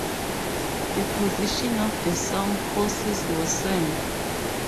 The position of Song forces worsened.